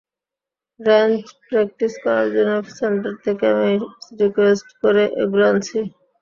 Range practice করার জন্য centre থেকে আমি রিকোয়েস্ট করে এগুলা আনছি।